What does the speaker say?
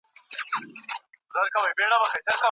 ولي قونسلګرۍ په لویو ښارونو کي جوړیږي؟